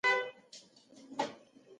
بدرنګه انسان له شر نه ډک وي